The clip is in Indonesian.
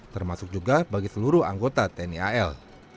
termasuk juga bagi seluruh anggota tni al